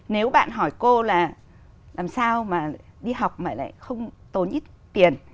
nếu bạn hỏi cô là làm sao mà đi học mà lại không tốn ít tiền